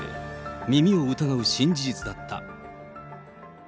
耳を疑う新事実だった。